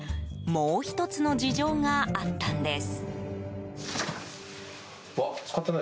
もう１つの事情があったんです。